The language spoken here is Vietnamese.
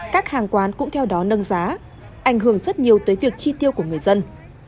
các hàng quán cũng theo đó nâng giá ảnh hưởng rất nhiều tới việc chi tiêu của người dân